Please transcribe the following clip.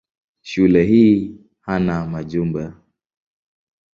Shule hii hana majumba.